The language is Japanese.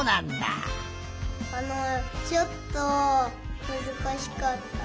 あのちょっとむずかしかった。